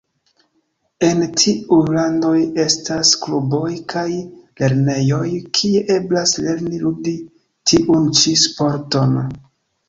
En tiuj landoj estas kluboj kaj lernejoj, kie eblas lerni ludi tiun ĉi sporton.